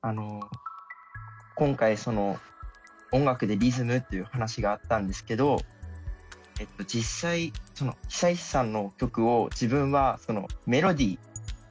今回音楽でリズムっていう話があったんですけど実際久石さんの曲を自分はメロディー